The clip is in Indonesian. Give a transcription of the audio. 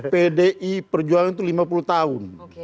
pdi perjuangan itu lima puluh tahun